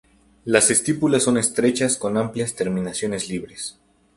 Las estípulas son estrechas con amplias terminaciones libres.